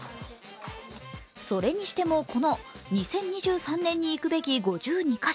それにしてもこの「２０２３年に行くべき５２か所」